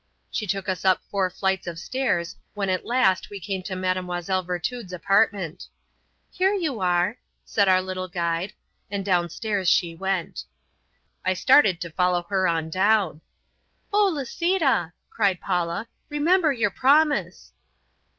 She took us up four flights of stairs when at last we came to Mlle Virtud's apartment. "Here you are," said our little guide, and downstairs she went. I started to follow her on down. "Oh, Lisita," cried Paula; "remember your promise."